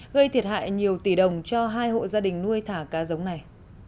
gây thiệt hại nhiều tỷ đồng cho hai hộ gia đình nuôi thả cá giống này